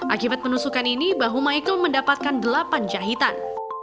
akibat penusukan ini bahu michael mendapatkan delapan jahitan